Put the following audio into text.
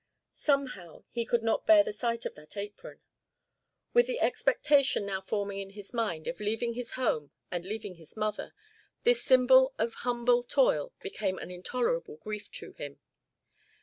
Somehow, he could not bear the sight of that apron. With the expectation now forming in his mind, of leaving this home and leaving this mother, this symbol of humble toil became an intolerable grief to him.